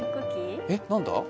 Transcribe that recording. えっ何だ？